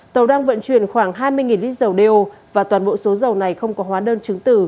tàu đang vận chuyển khoảng hai mươi lít dầu đeo và toàn bộ số dầu này không có hóa đơn chứng từ